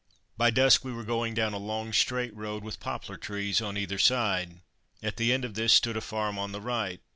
By dusk we were going down a long straight road with poplar trees on either side. At the end of this stood a farm on the right.